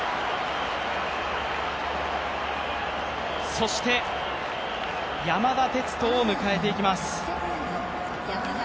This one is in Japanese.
そして山田哲人を迎えていきます。